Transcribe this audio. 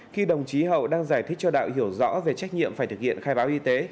khi đồng chí hậu đang giải thích cho đạo hiểu rõ về trách nhiệm phải thực hiện khai báo y tế